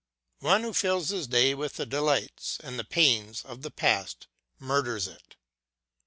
One who fills his day with the delights and the pains of the past murders it.